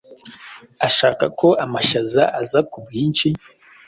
ashaka ko amashaza aza ku bwinshi,